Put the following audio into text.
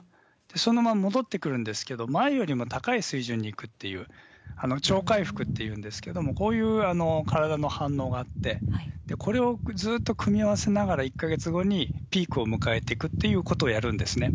そのまま戻ってくるんですけど、前よりも高い水準にいくっていう、超回復っていうんですけれども、こういう体の反応があって、これをずーっと組み合わせながら、１か月後にピークを迎えていくっていうことをやるんですね。